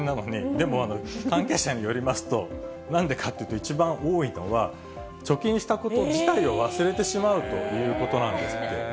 でも、関係者によりますと、なんでかっていうと、一番多いのは、貯金したこと自体を忘れてしまうということなんですって。